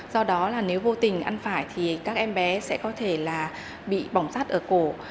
do đó là nếu vô tình ăn phải thì các em bé sẽ có thể là bị bỏng rắt ở cổ